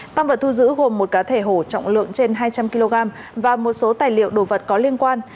tăng vật thu giữ gồm một cá thể hổ trọng lượng trên hai trăm linh kg và một số tài liệu đồ vật có liên quan